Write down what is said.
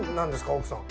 奥さん。